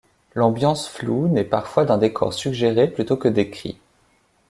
L’ambiance floue naît parfois d’un décor suggéré plutôt que décrit.